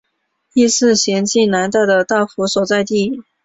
亦是咸镜南道的道府所在地。